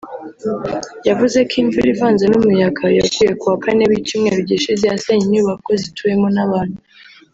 yavuze ko imvura ivanze n’umuyaga yaguye ku wa Kane w’icyumweru gishize yasenye inyubako zituwemo n’abantu